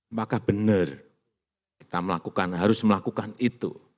apakah benar kita melakukan harus melakukan itu